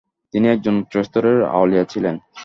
তিনি একজন উচ্চ স্তরের আউলিয়া ছিলেন।